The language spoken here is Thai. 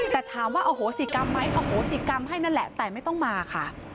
แต่ถามว่าอโหสิกรรมไหมอโหสิกรรมให้นั่นแหละแต่ไม่ต้องมาค่ะ